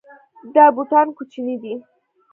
دا بوټان کوچني دي